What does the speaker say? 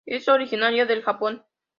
Es originaria del Japón.